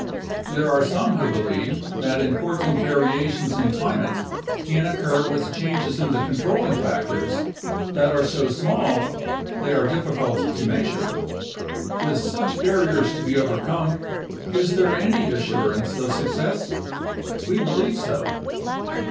There are some who believe that impor tant variations in climate can occur with changes in the controlling fac tors that are so small they are difficult to measure. With such barriers to be overcome, is there any assurance of success? We believe so.